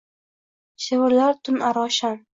Shivirlar tun aro sham.